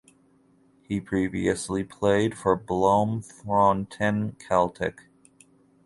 He previously played for Bloemfontein Celtic.